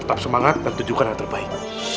tetap semangat dan tunjukkan yang terbaik